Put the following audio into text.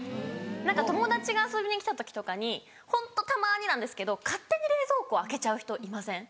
友達が遊びに来た時とかにホントたまになんですけど勝手に冷蔵庫開けちゃう人いません？